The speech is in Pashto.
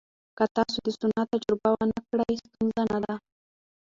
که تاسو د سونا تجربه ونه کړئ، ستونزه نه ده.